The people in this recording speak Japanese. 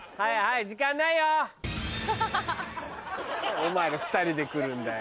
お前ら２人で来るんだよ。